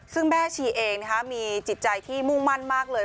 ซึ่งแม่ชีเองมีจิตใจที่มุ่งมั่นมากเลย